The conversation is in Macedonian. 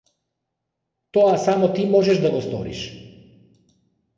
Тоа само ти можеш да го сториш.